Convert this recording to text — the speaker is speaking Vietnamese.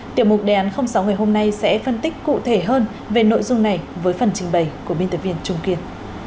tiểu mục đề án sáu ngày hôm nay sẽ phân tích cụ thể hơn về nội dung này với phần trình bày của biên tập viên trung kiên